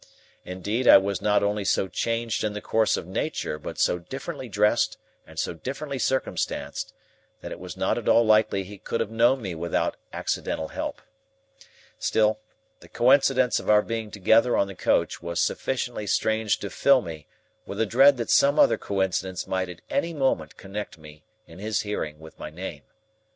Indeed, I was not only so changed in the course of nature, but so differently dressed and so differently circumstanced, that it was not at all likely he could have known me without accidental help. Still, the coincidence of our being together on the coach, was sufficiently strange to fill me with a dread that some other coincidence might at any moment connect me, in his hearing, with my name.